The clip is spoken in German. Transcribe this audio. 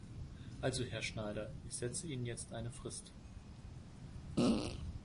Also Herr Schneider, ich setze Ihnen jetzt eine Frist.